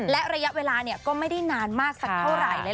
และระยะเวลาก็ไม่ได้นานมากสักเท่าไหร่เลย